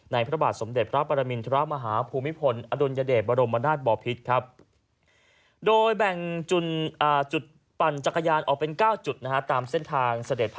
ในพระบาทสมเด็จพระปรมินทรมาฮา